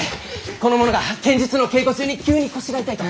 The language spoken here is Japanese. この者が剣術の稽古中に急に腰が痛いと。